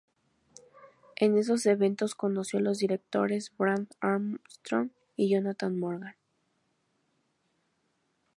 En esos eventos conoció a los directores Brad Armstrong y Jonathan Morgan.